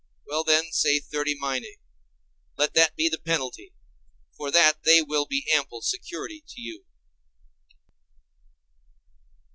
Well then, say thirty minæ, let that be the penalty; for that they will be ample security to you.